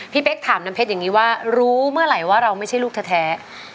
เป๊กถามน้ำเพชรอย่างนี้ว่ารู้เมื่อไหร่ว่าเราไม่ใช่ลูกแท้